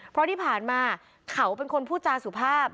เพราะที่ผ่านมาเขาเป็นคนพูดจาสุภาพ